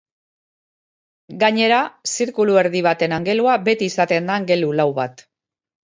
Gainera, zirkuluerdi baten angelua, beti izaten da angelu lau bat.